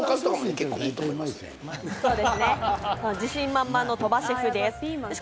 自信満々の鳥羽シェフです。